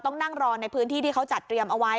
ต้องนั่งรอในพื้นที่ที่เขาจัดเตรียมเอาไว้